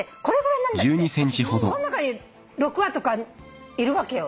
この中に６羽とかいるわけよ。